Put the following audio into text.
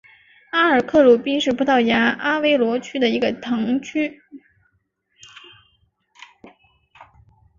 阿尔克鲁宾是葡萄牙阿威罗区的一个堂区。